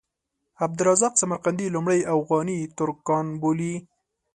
عبدالرزاق سمرقندي لومړی اوغاني ترکان بولي.